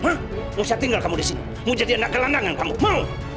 mau saya tinggal disini mau jadi anak gelandangan kamu mau